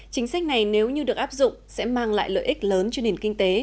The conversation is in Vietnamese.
chính sách này nếu như được áp dụng sẽ mang lại lợi ích lớn cho nền kinh tế